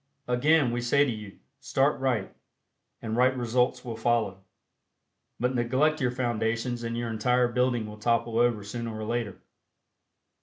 Again, we say to you: Start right, and right results will follow; but neglect your foundations and your entire building will topple over sooner or later.